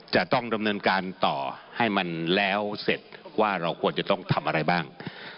จะต้องดำเนินการต่อให้มันแล้วเสร็จว่าเราควรจะต้องทำอะไรบ้าง